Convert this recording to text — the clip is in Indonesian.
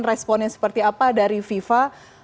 responnya seperti apa dari fifa